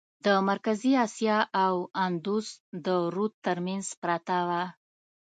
د مرکزي آسیا او اندوس د رود ترمنځ پرته وه.